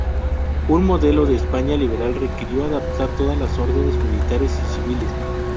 Un modelo de España liberal requirió adaptar todas las órdenes militares y civiles.